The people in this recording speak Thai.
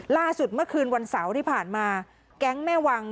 ล่าสุดเมื่อคืนวันเสาร์ที่ผ่านมาแก๊งแม่วัง